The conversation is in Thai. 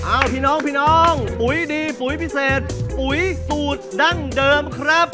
พี่น้องพี่น้องปุ๋ยดีปุ๋ยพิเศษปุ๋ยสูตรดั้งเดิมครับ